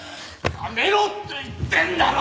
やめろって言ってんだろ！